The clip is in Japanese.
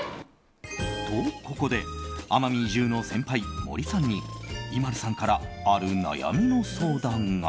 と、ここで奄美移住の先輩、森さんにＩＭＡＬＵさんからある悩みの相談が。